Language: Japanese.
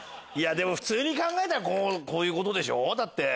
でも普通に考えたらこういうことでしょだって。